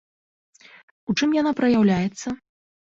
У чым яна праяўляецца?